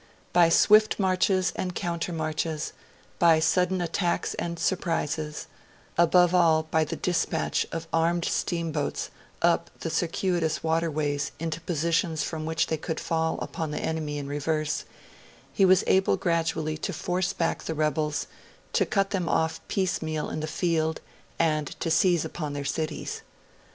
By swift marches and counter marches, by sudden attacks and surprises, above all by the dispatch of armed steamboats up the circuitous waterways into positions from which they could fall upon the enemy in reverse, he was able gradually to force back the rebels, to cut them off piecemeal in the field, and to seize upon their cities.